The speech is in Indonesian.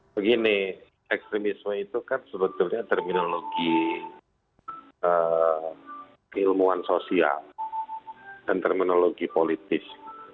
begini ekstremisme itu kan sebetulnya terminologi keilmuan sosial dan terminologi politis